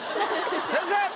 先生！